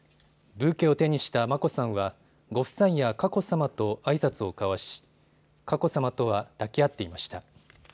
ブーケを手にした眞子さんはご夫妻や佳子さまとあいさつを交わし佳子さまとは抱き合っていました。